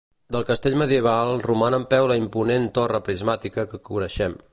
Del castell medieval roman en peu la imponent torre prismàtica que coneixem.